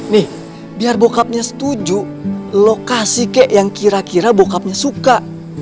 nih biar bokapnya setuju lokasi kek yang kira kira bokapnya suka